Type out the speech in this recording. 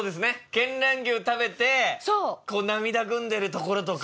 見蘭牛食べて涙ぐんでるところとか。